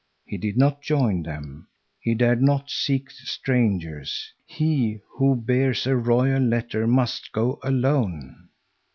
He did not join them. He dared not seek strangers. He, who bears a royal letter, must go alone.